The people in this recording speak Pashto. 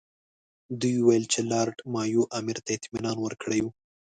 دوی وویل چې لارډ مایو امیر ته اطمینان ورکړی وو.